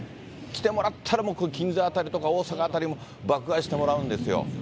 来てもらったら、銀座辺りや大阪辺りも爆買いしてもらうんですよ。